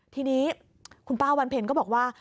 ทีนี้คุณป้าวันเพ็ญก็บอกว่า